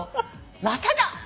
まただ。